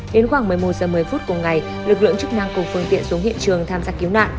đến khoảng một mươi một giờ một mươi phút của ngày lực lượng chức năng cùng phương tiện xuống hiện trường tham sát cứu nạn